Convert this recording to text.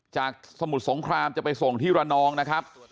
สมุทรสงครามจะไปส่งที่ระนองนะครับ